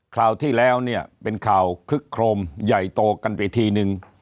คราวที่แล้วเนี่ยเป็นข่าวคลึกโครมใหญ่โตกันไปทีนึง